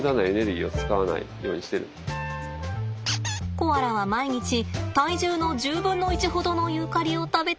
コアラは毎日体重の１０分の１ほどのユーカリを食べています。